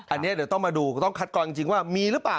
อันนี้เดี๋ยวต้องมาดูต้องคัดกรองจริงว่ามีหรือเปล่า